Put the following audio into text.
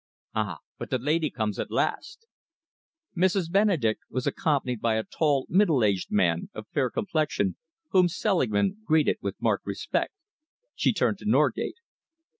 Ah, but the lady comes at last!" Mrs. Benedek was accompanied by a tall, middle aged man, of fair complexion, whom Selingman greeted with marked respect. She turned to Norgate.